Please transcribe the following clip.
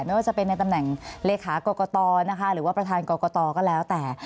ไม่ว่าจะเป็นในตำแหน่งเลขากรกตนะคะหรือว่าประธานกรกตก็แล้วแต่